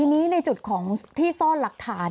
ทีนี้ในจุดของที่ซ่อนหลักฐาน